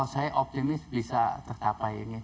saya optimis bisa tercapai ini